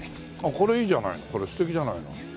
これいいじゃないの素敵じゃないの。